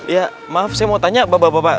ya maaf saya mau tanya bapak bapak